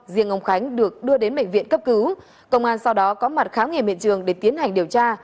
riêng ông khánh được đưa đến bệnh viện cấp cứu công an sau đó có mặt khám nghiệm hiện trường để tiến hành điều tra